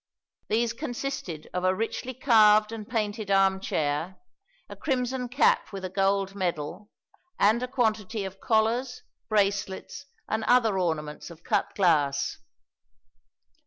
These consisted of a richly carved and painted armchair, a crimson cap with a gold medal, and a quantity of collars, bracelets, and other ornaments of cut glass.